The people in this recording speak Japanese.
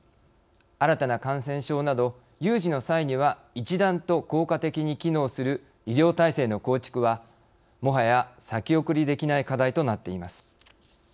新たな感染症など有事の際には一段と効果的に機能する医療体制の構築はもはや先送りできない課題となっています。